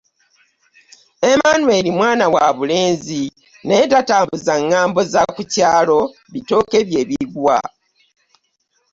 Emmanuel mwana wa bulenzi naye tatambuza ngambo za ku kyalo bitooke bye bigwa.